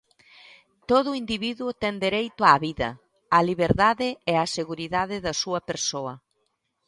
Todo individuo ten dereito á vida, á liberdade e á seguridade da súa persoa.